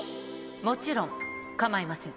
もちろん構いません